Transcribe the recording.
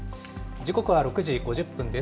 時刻は６時５０分です。